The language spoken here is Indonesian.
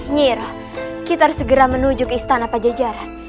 nyiro kita harus segera menuju ke istana pajajaran